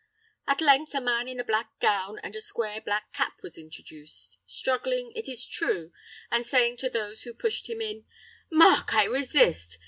At length a man in a black gown and a square black cap was introduced, struggling, it is true, and saying to those who pushed him in, "Mark, I resist!